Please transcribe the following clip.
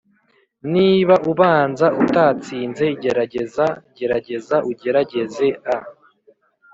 niba ubanza utatsinze gerageza, gerageza ugerageze a